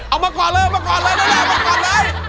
เอามาก่อนเลยเอามาก่อนเลยเร็วมาก่อนเลย